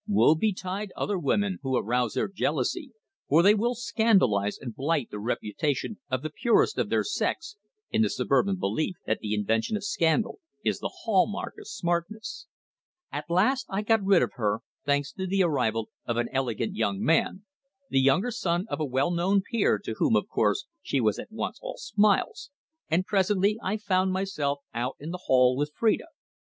Woe betide other women who arouse their jealousy, for they will scandalise and blight the reputation of the purest of their sex in the suburban belief that the invention of scandal is the hallmark of smartness. At last I got rid of her, thanks to the arrival of an elegant young man, the younger son of a well known peer, to whom, of course, she was at once all smiles, and, presently, I found myself out in the hall with Phrida.